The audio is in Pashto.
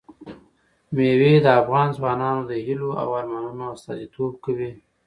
مېوې د افغان ځوانانو د هیلو او ارمانونو استازیتوب کوي.